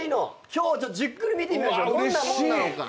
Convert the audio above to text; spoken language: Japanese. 今日じっくり見てみましょうどんなもんなのか。